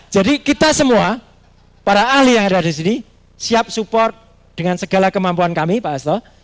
jadi kita semua para ahli yang ada di sini siap support dengan segala kemampuan kami pak astor